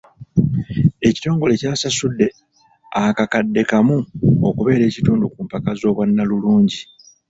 Ekitongole kyasasudde akakadde kamu okubeera ekitundu ku mpaka z'obwannalulungi.